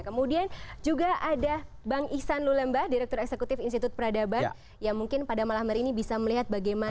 kemudian juga ada bang ihsan lulemba direktur eksekutif institut peradaban yang mungkin pada malam hari ini bisa melihat bagaimana